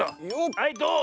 はいどう？